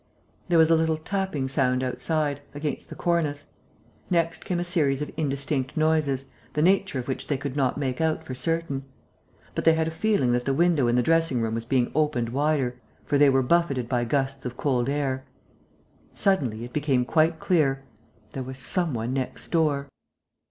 There was a little tapping sound outside, against the cornice. Next came a series of indistinct noises, the nature of which they could not make out for certain. But they had a feeling that the window in the dressing room was being opened wider, for they were buffeted by gusts of cold air. Suddenly, it became quite clear: there was some one next door.